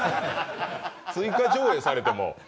追加上映されても。